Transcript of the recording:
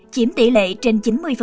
chiếm tỷ lệ trên chín mươi